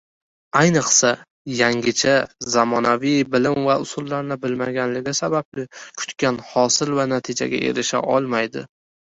Ayniqsa, yangicha, zamonaviy bilim va usullarni bilmaganligi sababli kutgan hosil va natijaga erisha olmaydi.